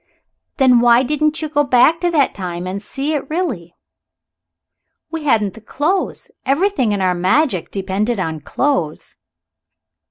"Then why didn't you go back to that time and see it really?" "We hadn't the clothes. Everything in our magic depended on clothes."